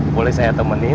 boleh saya temenin